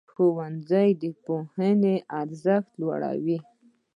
ښوونځی د پوهنې ارزښت لوړوي.